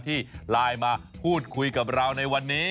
ที่ไลน์มาพูดคุยกับเราในวันนี้